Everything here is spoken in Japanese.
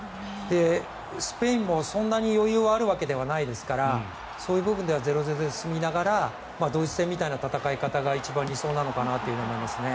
スペインもそんなに余裕があるわけではないですからそういう意味では０−０で進んでドイツ戦みたいな戦い方が一番理想なのかなと思いますね。